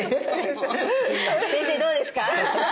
先生どうですか？